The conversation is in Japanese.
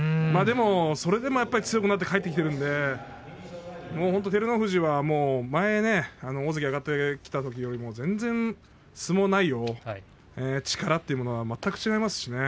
それでもやっぱり強くなって帰ってきているので本当に照ノ富士は前、大関に上がってきたときより全然、相撲内容も力も全く違いますからね。